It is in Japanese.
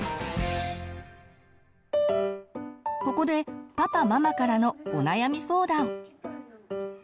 ここでパパママからのお悩み相談。